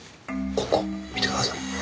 ここ見てください。